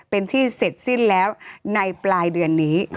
เป็นที่เสร็จสิ้นแล้วในปลายเดือนนี้